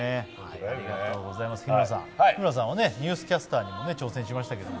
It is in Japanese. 日村さんはニュースキャスターにも挑戦しましたけど。